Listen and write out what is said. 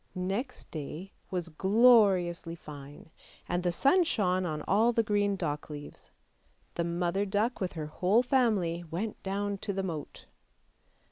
Next day was gloriously fine, and the sun shone on all the green dock leaves. The mother duck with her whole family went down to the moat.